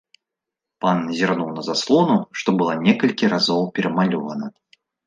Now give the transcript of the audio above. Пан зірнуў на заслону, што была некалькі разоў перамалёвана.